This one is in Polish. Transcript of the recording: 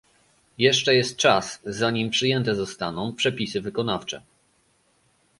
Jeszcze jest czas, zanim przyjęte zostaną przepisy wykonawcze